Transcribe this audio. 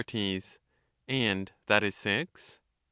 And that is six